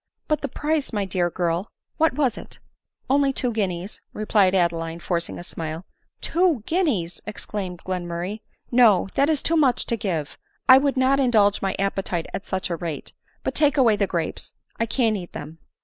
" But the price, my dear girl !— what was it ?"" Only two guineas, " replied Adeline, forcing a smile. " Two guineas !" exclaimed Glenmurray ;" No, that is too much to give — 1 would not indulge my appetite at such a rate— but, take away the grapes — I can't eat them."